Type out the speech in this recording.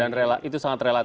dan itu sangat relatif